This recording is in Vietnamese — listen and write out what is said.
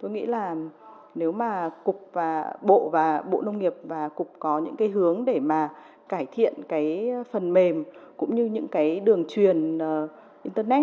tôi nghĩ là nếu mà bộ nông nghiệp và cục có những hướng để cải thiện phần mềm cũng như những đường truyền internet